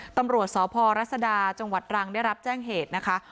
ตำรวจสพรัศดาจังหวัดรังได้รับแจ้งเหตุนะคะ